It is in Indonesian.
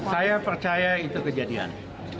saya percaya itu kejadian